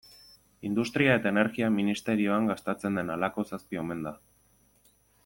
Industria eta Energia ministerioan gastatzen den halako zazpi omen da.